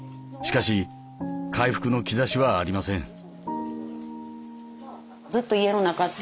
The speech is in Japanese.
しかし回復の兆しはありません。